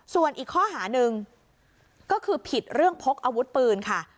ส่วนอีกข้อหาหนึ่งก็คือผิดเรื่องพกอาวุธปืนค่ะ